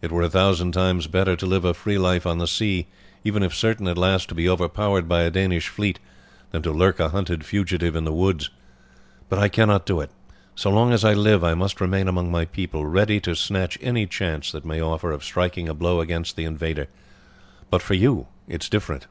It were a thousand times better to live a free life on the sea, even if certain at last to be overpowered by a Danish fleet, than to lurk a hunted fugitive in the woods; but I cannot do it. So long as I live I must remain among my people, ready to snatch any chance that may offer of striking a blow against the invader. But for you it is different."